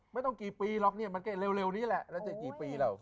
ไม่ต้องกี่ปีหรอกเนี่ยมันก็เร็วนี้แหละแล้วจะกี่ปีแล้ว